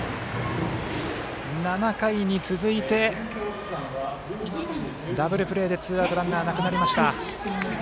７回に続いて、ダブルプレーでツーアウトランナーなくなりました。